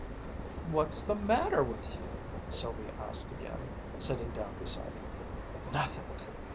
"What's the matter with you?" Sylvia asked again, sitting down beside him. "Nothing!